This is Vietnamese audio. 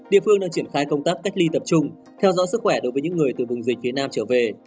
địa phương đang triển khai công tác cách ly tập trung theo dõi sức khỏe đối với những người từ vùng dịch phía nam trở về